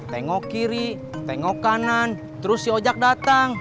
tengok kiri tengok kanan terus si ojok datang